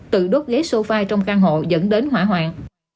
tự đốt ghế sofa trong căn hộ dẫn đến hỏa hoạn